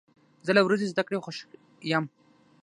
زه له ورځې زده کړې خوښ یم.